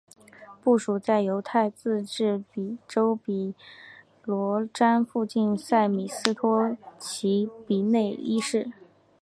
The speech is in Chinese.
部署在犹太自治州比罗比詹附近的塞米斯托齐内伊市。